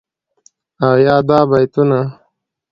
او یادا بیتونه..